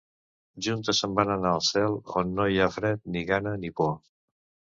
Juntes se'n van anar al cel, on no hi ha fred, ni gana ni por.